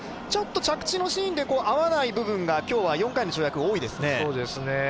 着地のシーンで合わない部分が今日は４回の跳躍、多いですね。